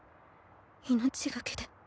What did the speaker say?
命懸けで。